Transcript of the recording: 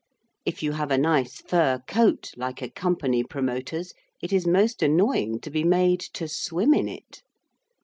If you have a nice fur coat like a company promoter's, it is most annoying to be made to swim in it.